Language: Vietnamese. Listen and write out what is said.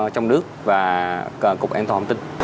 trong nước và cục an toàn tin